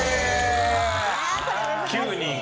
９人。